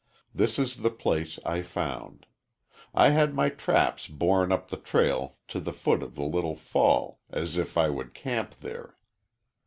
This is the place I found. I had my traps borne up the trail to the foot of the little fall, as if I would camp there.